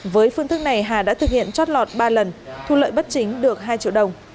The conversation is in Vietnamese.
với phương thức này hà đã thực hiện trót lọt ba lần thu lợi bất chính được hai triệu đồng